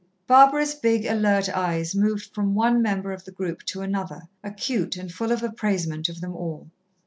Barbara's big, alert eyes moved from one member of the group to another, acute and full of appraisement of them all.